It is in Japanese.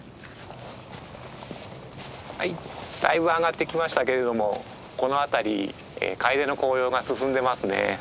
はいだいぶ上がってきましたけれどもこの辺りカエデの紅葉が進んでますね。